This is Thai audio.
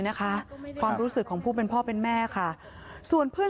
นะคะความรู้สึกของผู้เป็นพ่อเป็นแม่ค่ะส่วนเพื่อน